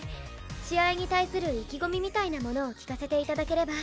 試合に対する意気込みみたいなものを聞かせて頂ければ。